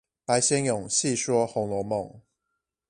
白先勇細說紅樓夢